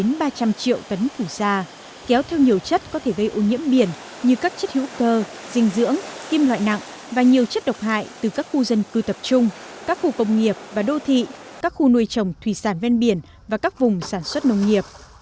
hơn ba trăm linh triệu tấn phủ sa kéo theo nhiều chất có thể gây ô nhiễm biển như các chất hữu cơ dinh dưỡng kim loại nặng và nhiều chất độc hại từ các khu dân cư tập trung các khu công nghiệp và đô thị các khu nuôi trồng thủy sản ven biển và các vùng sản xuất nông nghiệp